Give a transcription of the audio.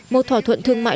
một thỏa thuận thương mại